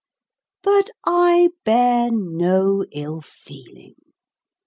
But I bear no ill feeling.